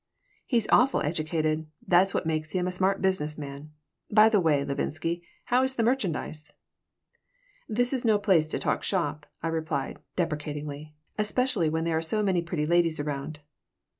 He's awful educated. That's what makes him such a smart business man. By the way, Levinsky, how is the merchandise?" "This is no place to talk shop," I replied, deprecatingly. "Especially when there are so many pretty ladies around."